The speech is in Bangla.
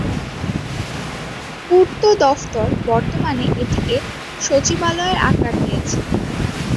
পূর্ত দফতর বর্তমানে এটিকে সচিবালয়ের আকার দিয়েছে।